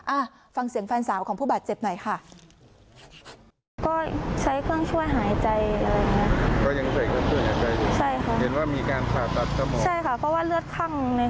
อ่ะฟังเสียงแฟนสาวของผู้บาดเจ็บหน่อยค่ะ